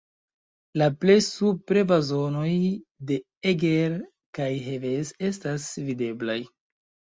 La plej supre blazonoj de Eger kaj Heves estas videblaj.